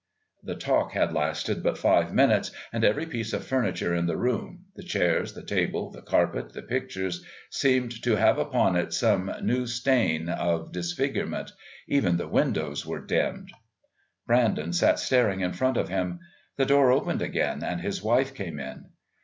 The talk had lasted but five minutes, and every piece of furniture in the room, the chairs, the table, the carpet, the pictures, seemed to have upon it some new stain of disfigurement. Even the windows were dimmed. Brandon sat staring in front of him. The door opened again and his wife came in.